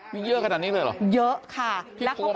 มีเยอะขนาดนี้เลยเหรอเยอะค่ะและเขาก็จะมี